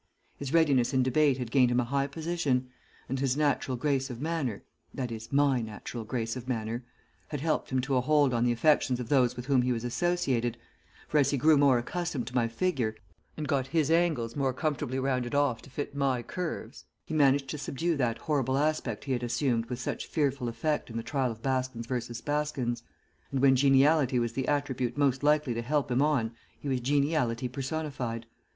His readiness in debate had gained him a high position, and his natural grace of manner that is, my natural grace of manner had helped him to a hold on the affections of those with whom he was associated, for, as he grew more accustomed to my figure and got his angles comfortably rounded off to fit my curves, he managed to subdue that horrible aspect he had assumed with such fearful effect in the trial of Baskins v. Baskins, and when geniality was the attribute most likely to help him on he was geniality personified.